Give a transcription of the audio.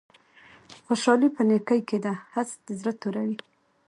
خوشحالی په نیکې کی ده حسد زړه توروی